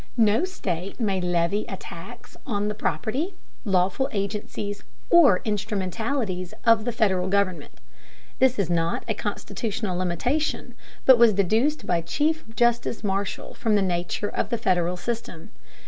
No state may levy a tax on the property, lawful agencies, or instrumentalities of the Federal government. This is not a constitutional limitation, but was deduced by Chief Justice Marshall from the nature of the Federal system.